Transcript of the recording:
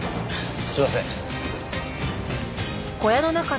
すいません。